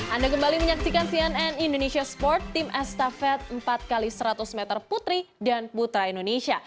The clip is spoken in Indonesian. anda kembali menyaksikan cnn indonesia sport tim estafet empat x seratus meter putri dan putra indonesia